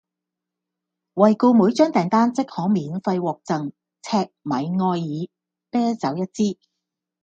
惠顧每張訂單即可免費獲贈赤米愛爾啤酒一支